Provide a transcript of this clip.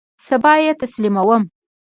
سبا یی تسلیموم